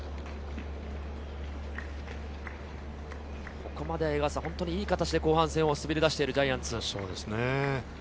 ここまで本当にいい形で後半を滑りだしているジャイアンツ。